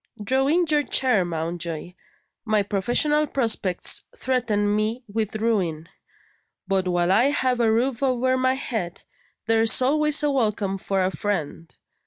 Draw in your chair, Mountjoy. My professional prospects threaten me with ruin but while I have a roof over my head, there's always a welcome for a friend.